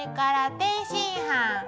天津飯。